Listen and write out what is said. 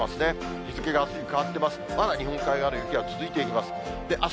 日付があすに変わってます。